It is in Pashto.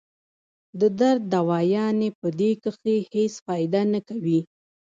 د درد دوايانې پۀ دې کښې هېڅ فائده نۀ کوي